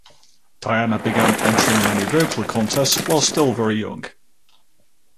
Diana began entering many vocal contests while still very young.